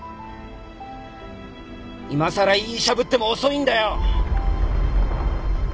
今さらいい医者ぶっても遅いんだよ。